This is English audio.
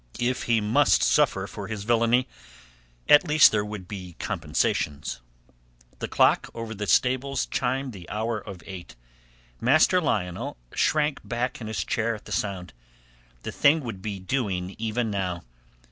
If he must suffer for his villainy, at least there would be compensations. The clock over the stables chimed the hour of eight. Master Lionel shrank back in his chair at the sound. The thing would be doing even now.